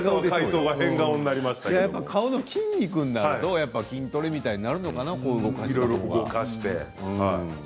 顔の筋肉になると筋トレみたいになるのかな動かして。